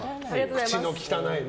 口の汚いね。